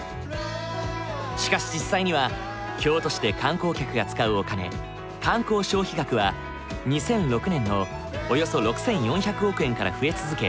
しかし実際には京都市で観光客が使うお金観光消費額は２００６年のおよそ６，４００億円から増え続け